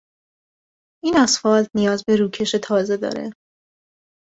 این اسفالت نیاز به روکش تازه دارد.